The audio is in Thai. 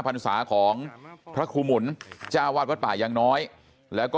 ต้องแบบ